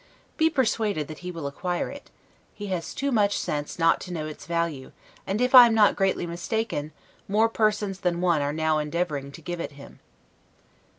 Be persuaded that he will acquire it: he has too much sense not to know its value; and if I am not greatly mistaken, more persons than one are now endeavoring to give it him.